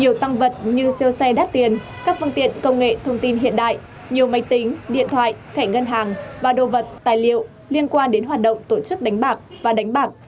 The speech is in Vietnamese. nhiều tăng vật như siêu xe đắt tiền các phương tiện công nghệ thông tin hiện đại nhiều máy tính điện thoại thẻ ngân hàng và đồ vật tài liệu liên quan đến hoạt động tổ chức đánh bạc và đánh bạc